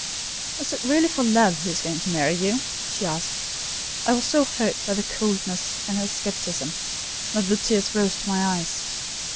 "Is it really for love he is going to marry you?" she asked. I was so hurt by her coldness and scepticism, that the tears rose to my eyes.